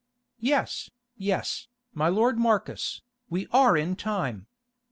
"Yes, yes, my lord Marcus, we are in time.